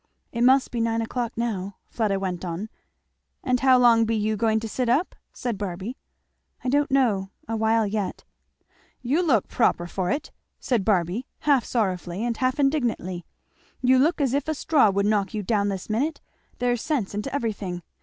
"It must be nine o'clock now," Fleda went on. "And how long be you going to sit up?" said Barby. "I don't know a while yet." "You look proper for it!" said Barby half sorrowfully and half indignantly; "you look as if a straw would knock you down this minute. There's sense into everything.